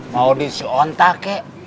mau di si onta kek